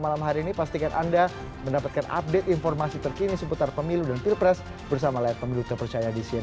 oke terima kasih kita akan nanti lihat bagaimana perkembangannya delapan bulan ke depan